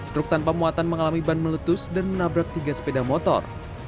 truk tanpa muatan mengalami ban meletus dan menabrak tiga sepeda motor